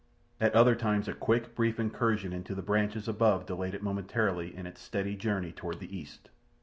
At other times a quick, brief incursion into the branches above delayed it momentarily in its steady journey toward the east.